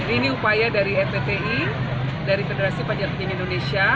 ini upaya dari fpti dari federasi panjat tebing indonesia